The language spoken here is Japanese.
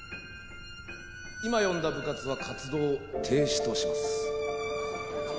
今呼んだ部活は活動停止とします。